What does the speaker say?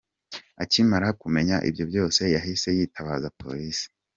Akimara kumenya ibyo byose yahise yitabaza Polisi.